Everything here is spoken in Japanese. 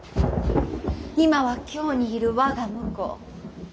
今は京にいる我が婿。